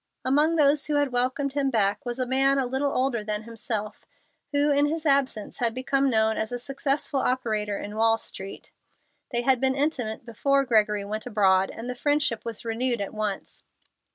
Among those who had welcomed him back was a man a little older than himself, who, in his absence, had become known as a successful operator in Wall Street. They had been intimate before Gregory went abroad, and the friendship was renewed at once.